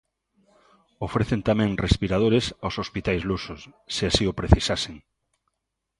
Ofrecen tamén respiradores aos hospitais lusos, se así o precisasen.